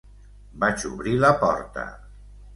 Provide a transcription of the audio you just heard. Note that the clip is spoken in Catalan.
Vaig obrir la porta.